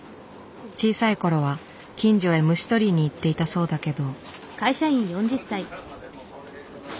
小さいころは近所へ虫取りに行っていたそうだけど。